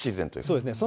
そうですね。